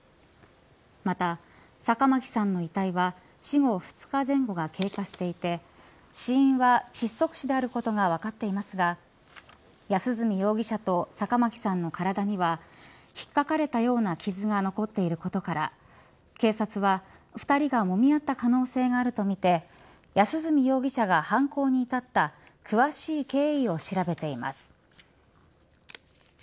また、坂巻さんの遺体は死後２日前後が経過していて死因は窒息死であることが分かっていますが安栖容疑者と坂巻さんの体には引っかかれたような傷が残っていることから警察は２人がもみ合った可能性があるとみて安栖容疑者が犯行に至った詳しい経緯を調べています。